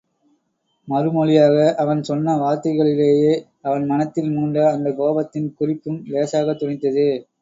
மறுமொழியாக அவன் சொன்ன வார்த்தைகளிலேயே அவன் மனத்தில் மூண்ட அந்தக் கோபத்தின் குறிப்பும் இலேசாகத் தொனித்தது.